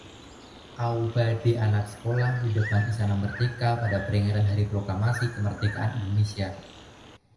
aubade anak sekolah di depan Istana Merdeka pada peringatan Hari Proklamasi Kemerdekaan Indonesia